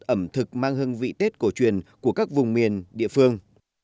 ẩm thực mang hương vị tết cổ truyền của các vùng miền địa phương